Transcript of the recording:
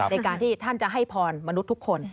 ในการที่ท่านจะให้พรมนุษย์ทุกคน